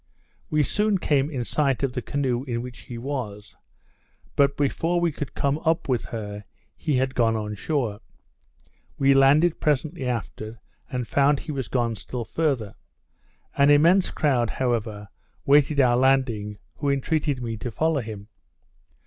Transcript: We soon came in sight of the canoe in which he was; but before we could come up with her he had got on shore. We landed presently after, and found he was gone still farther. An immense crowd, however, waited our landing, who entreated me to follow him.